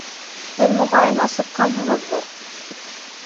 Һеҙ моғайын, асыҡҡанһығыҙҙыр?